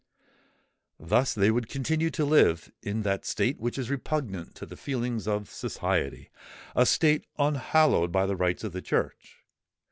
Thus they would continue to live in that state which is repugnant to the feelings of society—a state unhallowed by the rites of the Church.